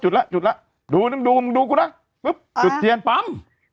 จุดแล้วจุดแล้วดูมึงดูมึงดูกูนะปุ๊บจุดเทียนปั๊ม